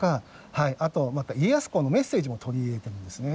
あと家康公のメッセージも取り入れてるんですね。